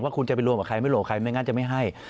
คุณจะไปรวมกับใครไม่หลอกใครไม่งั้นจะไม่ให้